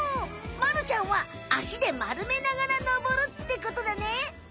まるちゃんはアシで丸めながら登るってことだね！